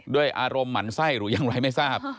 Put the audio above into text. ด้วยอารมณ์หมั่นไส้หรือยังไรไม่ทราบ